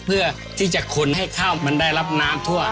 เพื่อที่จะคนให้ข้าวมันได้รับน้ำทั่ว